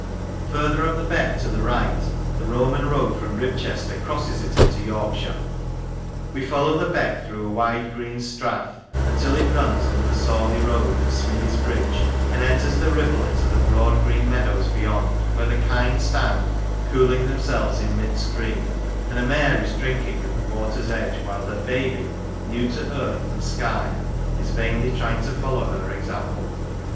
Further up the beck to the right the Roman road from Ribchester crosses it into Yorkshire. We follow the beck through a wide green strath till it runs under the Sawley road at Smithies Bridge, and enters the Ribble in the broad green meadows beyond, where the kine stand cooling themselves in mid stream, and a mare is drinking at the water's edge; while her baby, new to earth and sky, is vainly trying to follow her example.